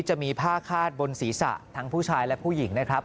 จะมีผ้าคาดบนศีรษะทั้งผู้ชายและผู้หญิงนะครับ